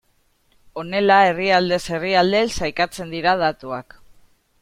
Honela herrialdez herrialde sailkatzen dira datuak.